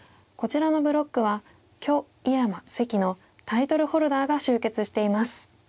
こちらのブロックは許井山関のタイトルホルダーが集結しています。